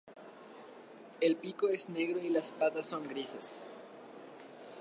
El pico es negro y las patas son grises.